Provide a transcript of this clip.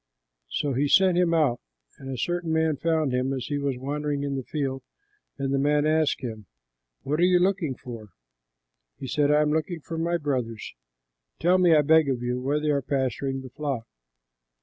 So he sent him out, and a certain man found him, as he was wandering in the field, and the man asked him, "What are you looking for?" He said, "I am looking for my brothers; tell me, I beg of you, where they are pasturing the flock."